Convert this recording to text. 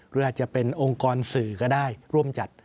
หรืออาจจะเป็นองค์กรสื่อก็ได้ร่วมจัด